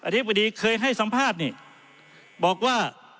ท่านผู้ดิเคยให้สามภาพบอกว่า